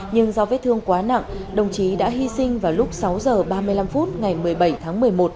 nhưng do vết thương quá nặng đồng chí đã hy sinh vào lúc sáu h ba mươi năm phút ngày một mươi bảy tháng một mươi một